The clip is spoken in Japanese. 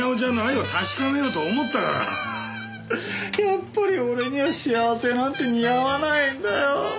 やっぱり俺には幸せなんて似合わないんだよ！